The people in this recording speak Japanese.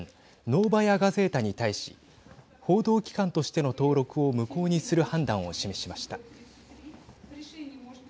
ノーバヤ・ガゼータに対し報道機関としての登録を無効にする判断を示しました。